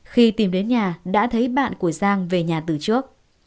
khi tìm đến nhà đã thấy bạn của giang về nhà từ trước